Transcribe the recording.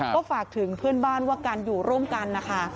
ก็ฝากถึงเพื่อนบ้านว่าการอยู่ร่วมกันนะคะ